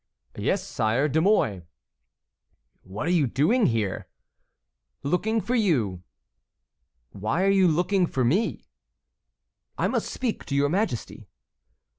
"Yes, sire, De Mouy." "What are you doing here?" "Looking for you." "Why are you looking for me?" "I must speak to your majesty."